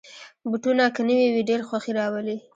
بوټونه که نوې وي، ډېر خوښي راولي.